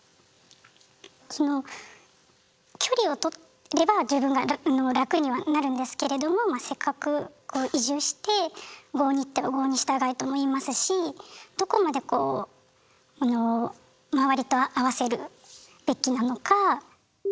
その距離をとれば自分が楽にはなるんですけれどもまあせっかくこう移住して「郷に入っては郷に従え」とも言いますしどこまでこう周りと合わせるべきなのか。